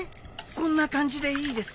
こんな感じでいいですか？